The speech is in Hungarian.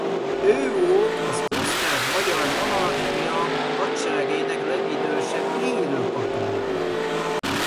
Ő volt az Osztrák-Magyar Monarchia hadseregének legidősebb élő katonája.